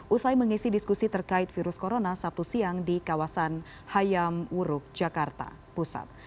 usai mengisi diskusi terkait virus corona sabtu siang di kawasan hayam uruk jakarta pusat